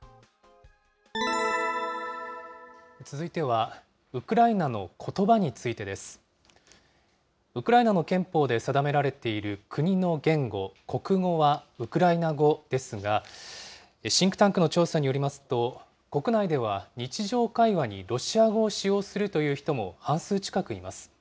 続いては、ウクライナのことばについてです。ウクライナの憲法で定められている国の言語、国語はウクライナ語ですが、シンクタンクの調査によりますと、国内では日常会話にロシア語を使用するという人も半数近くいます。